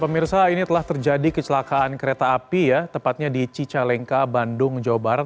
pemirsa ini telah terjadi kecelakaan kereta api ya tepatnya di cicalengka bandung jawa barat